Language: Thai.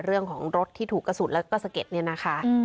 เรื่องของรถที่ถูกกระสุนแล้วก็สะเก็ดเนี่ยนะคะ